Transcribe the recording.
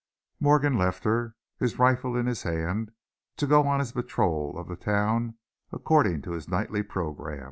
Morgan left her, his rifle in his hand, to go on his patrol of the town according to his nightly program.